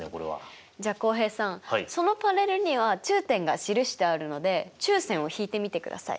じゃあ浩平さんそのパネルには中点が記してあるので中線を引いてみてください。